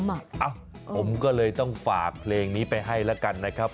เอ้าผมก็เลยต้องฝากเพลงนี้ไปให้แล้วกันนะครับ